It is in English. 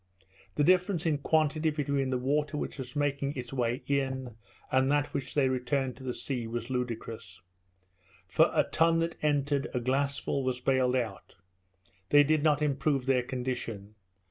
The difference in quantity between the water which was making its way in and that which they returned to the sea was ludicrous for a ton that entered a glassful was baled out; they did not improve their condition.